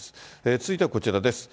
続いてはこちらです。